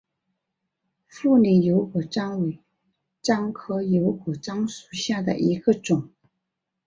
富宁油果樟为樟科油果樟属下的一个种。